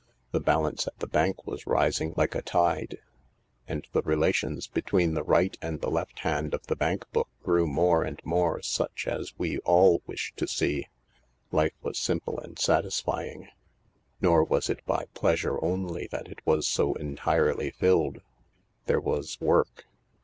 The balance at the bank was rising like a tide, and the relations between the right and the left hand of the bank book grew more and more such as we all wish to see. Life was simple and satisfying. Nor was it by pleasure only that it was so entirely filled. There was work.